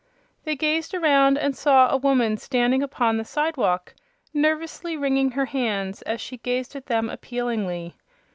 They gazed around and saw a woman standing upon the sidewalk nervously wringing her hands as she gazed at them appealingly.